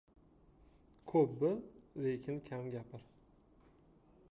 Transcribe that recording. • Ko‘p bil, lekin kam gapir.